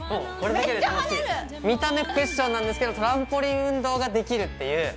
見た目クッションなんですけどトランポリン運動ができるっていう。